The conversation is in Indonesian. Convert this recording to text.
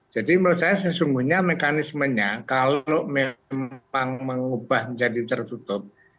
jadi menurut saya sesungguhnya mekanismenya kalau memang mengubah menjadi tertutup